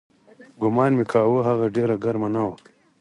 ګومان مې کاوه هغه ډېره ګرمه نه وه.